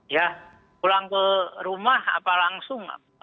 ya pulang ke rumah apa langsung